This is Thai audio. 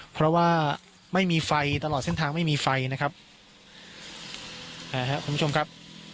เพราะว่าไม่มีไฟตลอดเส้นทางไม่มีไฟนะครับอ่าครับคุณผู้ชมครับ